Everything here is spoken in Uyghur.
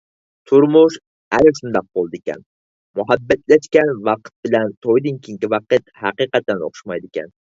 تۇرمۇش ئەنە شۇنداق بولىدىكەن، مۇھەببەتلەشكەن ۋاقىت بىلەن تويدىن كېيىنكى ۋاقىت ھەقىقەتەن ئوخشىمايدىكەن.